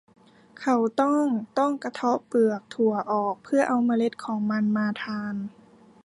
เขาต้องต้องกระเทาะเปลือกถั่วออก เพื่อเอาเมล็ดของมันมาทาน